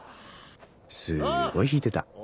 すごいひいてた。